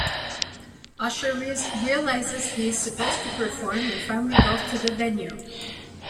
Usher realizes he is supposed to perform, and finally goes to the venue.